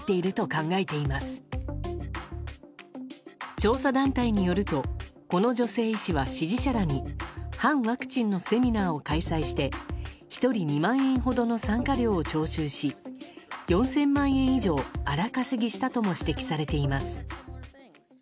調査団体によるとこの女性医師は支持者らに反ワクチンのセミナーを開催して１人２万円ほどの参加料を徴収し４０００万円以上荒稼ぎしたとも指摘されています。